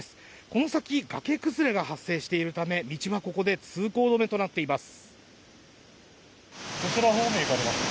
この先、崖崩れが発生しているため、道はここで通行止めとなっています。